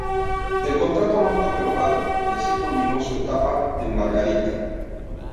El contrato no fue renovado y así culminó su etapa en Margarita.